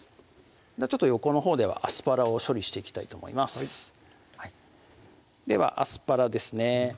ちょっと横のほうではアスパラを処理していきたいと思いますではアスパラですね